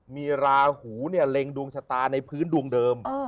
มีราหูเนี่ยเล็งดวงชะตาในพื้นดวงเดิม